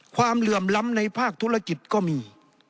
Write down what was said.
เหลื่อมล้ำในภาคธุรกิจก็มี